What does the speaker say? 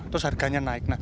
terus harganya naik